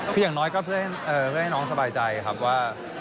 คืออย่างน้อยก็เพื่อให้น้องสบายใจครับว่า